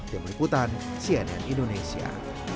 yang berikutan cnn indonesia